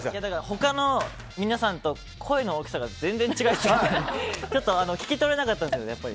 他の皆さんと声の大きさが全然違いすぎてちょっと聞き取れなかったですね。